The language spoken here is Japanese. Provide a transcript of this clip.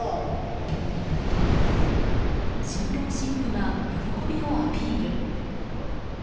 新郎新婦が喜びをアピール。